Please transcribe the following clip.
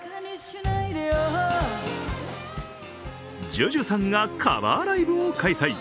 ＪＵＪＵさんがカバーライブを開催。